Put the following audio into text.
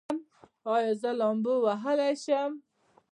ایا زه لامبو وهلی شم؟